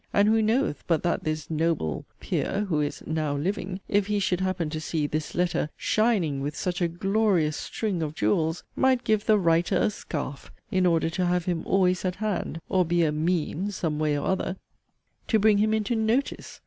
And who knoweth but that this noble P r, (who is now* living,) if he should happen to see 'this letter' shining with such a 'glorious string of jewels,' might give the 'writer a scarf,' in order to have him 'always at hand,' or be a 'mean' (some way or other) to bring him into 'notice'?